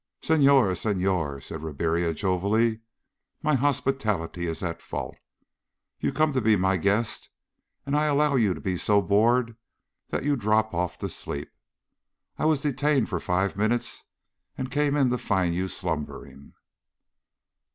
"Senhor! Senhor!" said Ribiera jovially. "My hospitality is at fault! You come to be my guest and I allow you to be so bored that you drop off to sleep! I was detained for five minutes and came in to find you slumbering!"